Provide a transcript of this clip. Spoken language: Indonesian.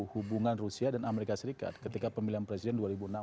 hubungan rusia dan amerika serikat ketika pemilihan presiden dua ribu enam belas